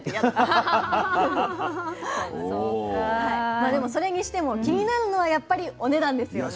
まあでもそれにしても気になるのはやっぱりお値段ですよね。